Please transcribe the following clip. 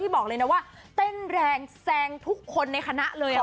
บอกเลยนะว่าเต้นแรงแซงทุกคนในคณะเลย